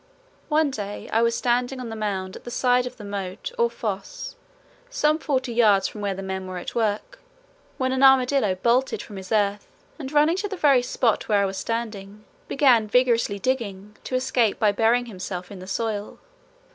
One day I was standing on the mound at the side of the moat or foss some forty yards from where the men were at work, when an armadillo bolted from his earth and running to the very spot where I was standing began vigorously digging to escape by burying himself in the soil.